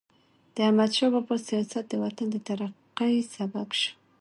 د احمدشاه بابا سیاست د وطن د ترقۍ سبب سو.